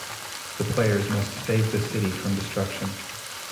The players must save the city from destruction.